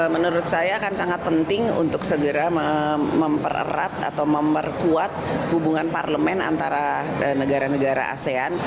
menurut saya akan sangat penting untuk segera mempererat atau memperkuat hubungan parlemen antara negara negara asean